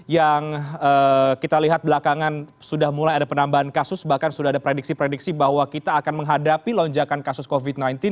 yang kita lihat belakangan sudah mulai ada penambahan kasus bahkan sudah ada prediksi prediksi bahwa kita akan menghadapi lonjakan kasus covid sembilan belas